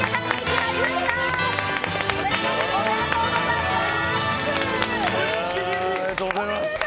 ありがとうございます。